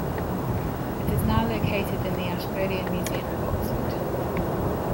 It is now located in the Ashmolean Museum of Oxford.